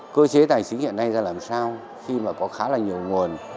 cơ chế tài chính hiện nay ra làm sao khi mà có khá là nhiều nguồn